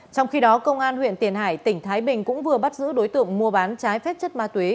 trong khi đó công an huyện tiền hải tỉnh thái bình cũng vừa bắt giữ đối tượng mua bán trái phép chất ma túy